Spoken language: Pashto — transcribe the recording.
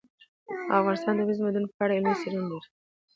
افغانستان د اوبزین معدنونه په اړه علمي څېړنې لري.